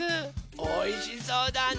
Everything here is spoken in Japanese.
おいしそうだね。